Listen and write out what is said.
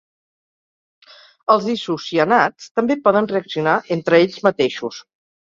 Els isocianats també poden reaccionar entre ells mateixos.